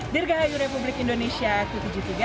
dirgahayu republik indonesia ke tujuh puluh tiga